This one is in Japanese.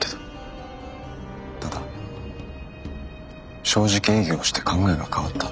ただ正直営業をして考えが変わった。